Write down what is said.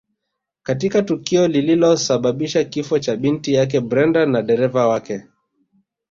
Katika tukio lililosababisha kifo cha binti yake Brenda na dereva wake